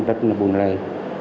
rất là bùn lầy